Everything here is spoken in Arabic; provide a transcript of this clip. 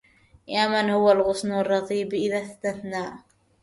يا من هو الغصن الرطيب إذا انثنى